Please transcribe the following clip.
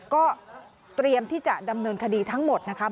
ก็เตรียมที่จะดำเนินคดีทั้งหมดนะคะ